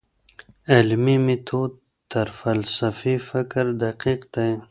علمي ميتود تر فلسفي فکر دقيق دی.